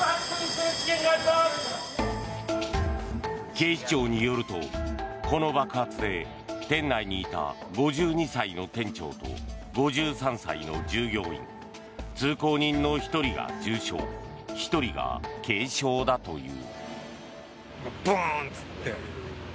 警視庁によると、この爆発で店内にいた５２歳の店長と５３歳の従業員通行人の１人が重傷１人が軽傷だという。